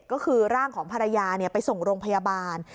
ก็คือร่างของภรรยาไปส่งโรงพยาบาล